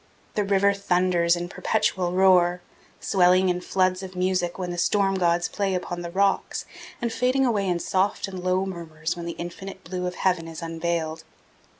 The river thunders in perpetual roar, swelling in floods of music when the storm gods play upon the rocks and fading away in soft and low murmurs when the infinite blue of heaven is unveiled.